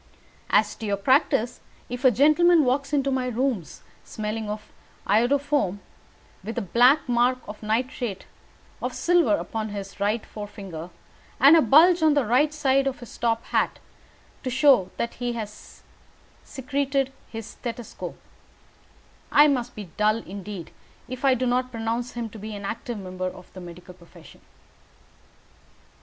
As to your practice, if a gentleman walks into my rooms, smelling of iodoform, with a black mark of nitrate of silver upon his right forefinger, and a bulge on the side of his top hat to show where he has secreted his stethoscope, I must be dull indeed if I do not pronounce him to be an active member of the medical profession."